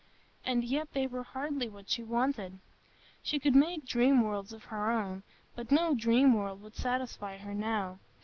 And yet they were hardly what she wanted. She could make dream worlds of her own, but no dream world would satisfy her now.